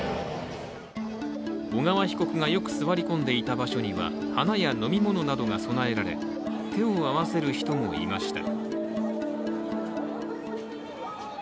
小川被告がよく座り込んでいた場所には花や飲み物などが供えられ手を合わせる人もいました。